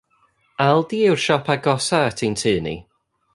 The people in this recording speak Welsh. Aldi yw'r siop agosaf at ein tŷ ni.